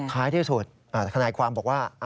ท้ายที่สุดธนายความบอกว่า